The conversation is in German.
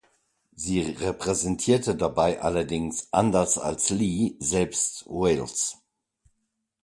Sie repräsentierte dabei allerdings anders als Lee selbst Wales.